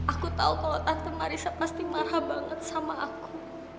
aku tahu kalau tante marissa pasti marah banget sama aku